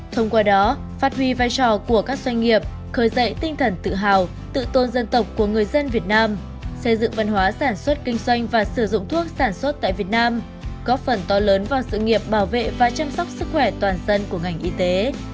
thông qua đó phát huy vai trò của các doanh nghiệp khởi dậy tinh thần tự hào tự tôn dân tộc của người dân việt nam xây dựng văn hóa sản xuất kinh doanh và sử dụng thuốc sản xuất tại việt nam góp phần to lớn vào sự nghiệp bảo vệ và chăm sóc sức khỏe toàn dân của ngành y tế